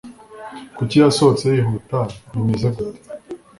Kuki yasohotse yihuta bimeze gute?